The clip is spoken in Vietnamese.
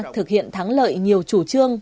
thực hiện thắng lợi nhiều chủ trương